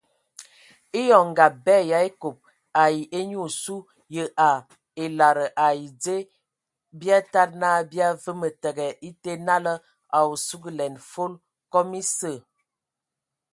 Eyɔŋ ngab bɛ yə a ekob ai e nyi osu yə a e lada ai dzə bi a tadi na bi aweme təgɛ ete, nala o a sugəlɛn fol kɔm esə.